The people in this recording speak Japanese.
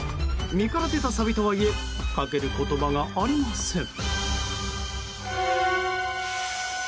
身から出たサビとはいえかける言葉がありません。